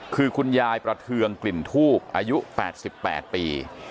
คือคุณยายประเทืองกลิ่นทูบอายุ๘๘ปี